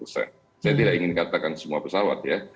saya tidak ingin katakan semua pesawat ya